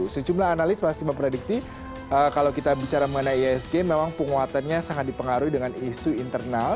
sejumlah analis masih memprediksi kalau kita bicara mengenai isg memang penguatannya sangat dipengaruhi dengan isu internal